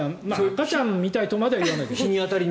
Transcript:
赤ちゃんみたいとまではいわないけど。